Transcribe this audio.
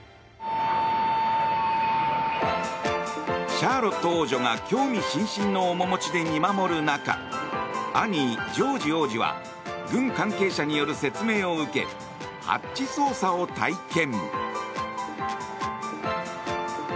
シャーロット王女が興味津々の面持ちで見守る中兄ジョージ王子は軍関係者による説明を受け、ハッチ操作を体験。